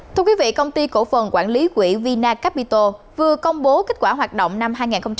thưa quý vị công ty cổ phần quản lý quỹ vinacapital vừa công bố kết quả hoạt động năm hai nghìn hai mươi ba